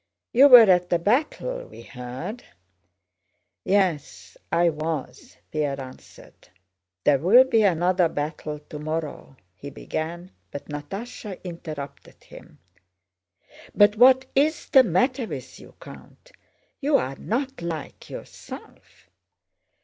"You were at the battle, we heard." "Yes, I was," Pierre answered. "There will be another battle tomorrow..." he began, but Natásha interrupted him. "But what is the matter with you, Count? You are not like yourself...."